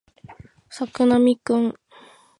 作並くん